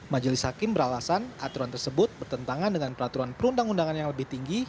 majelis hakim beralasan aturan tersebut bertentangan dengan peraturan perundang undangan yang lebih tinggi